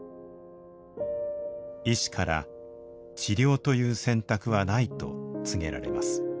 医師から「治療という選択はない」と告げられます。